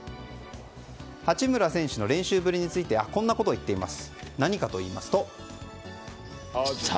八村選手の練習ぶりについてこんなことを言っています。